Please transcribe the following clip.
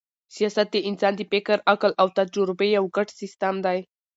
سیاست د انسان د فکر، عقل او تجربې یو ګډ سیسټم دئ.